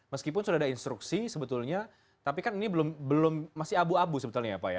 meskipun sudah ada instruksi sebetulnya tapi kan ini belum masih abu abu sebetulnya ya pak ya